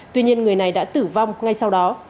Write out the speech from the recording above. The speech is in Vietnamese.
tuy nhiên người này đã tử vong ngay sau đó